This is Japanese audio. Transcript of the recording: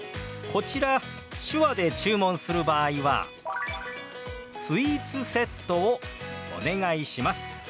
こちら手話で注文する場合は「スイーツセットをお願いします」と表します。